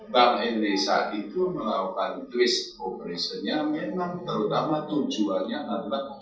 bang elisa itu melakukan twist operationnya memang terutama tujuannya adalah